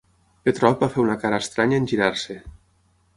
Petrov va fer una cara estranya en girar-se.